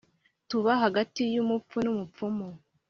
tuba hagati y’umupfu n’umupfumu